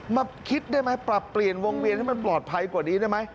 มาคิดได้ไหมปรับเปลี่ยนวงเวียนให้มันปลอดภัยกว่านี้ได้ไหม